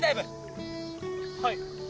はい。